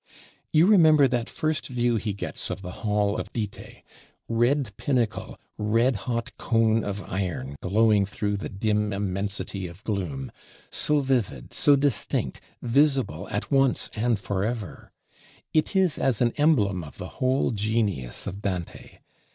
You remember that first view he gets of the Hall of Dite: red pinnacle, red hot cone of iron glowing through the dim immensity of gloom; so vivid, so distinct, visible at once and forever! It is as an emblem of the whole genius of Dante.